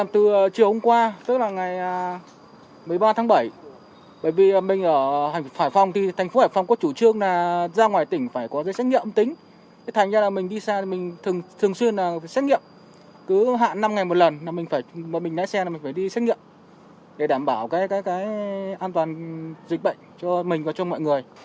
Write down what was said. thường xuyên là phải xét nghiệm cứ hạn năm ngày một lần mình lái xe là mình phải đi xét nghiệm để đảm bảo an toàn dịch bệnh cho mình và cho mọi người